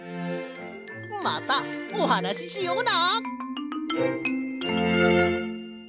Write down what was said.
またおはなししような。